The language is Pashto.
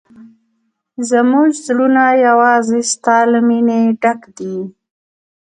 زموږ زړونه یوازې ستا له مینې ډک دي.